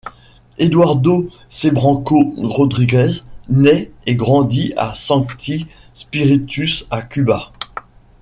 Eduardo Cebranco Rodríguez naît et grandit à Sancti Spíritus à Cuba.